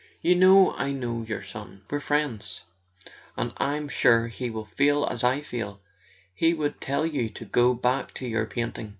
"You know I know your son—we're friends. And I'm sure he would feel as I feel—he would tell you to go back to your painting."